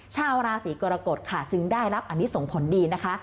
ชาวราศีกรกฎค่ะจึงได้รับอันนี้ส่งผลดีนะคะ